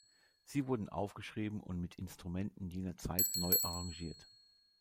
Sie wurden aufgeschrieben und mit Instrumenten jener Zeit neu arrangiert.